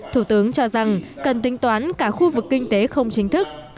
thủ tướng cho rằng cần tính toán cả khu vực kinh tế không chính thức